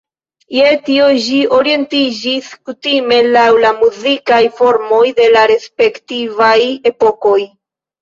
Je tio ĝi orientiĝis kutime laŭ la muzikaj formoj de la respektivaj epokoj.